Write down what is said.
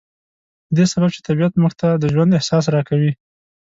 په دې سبب چې طبيعت موږ ته د ژوند احساس را کوي.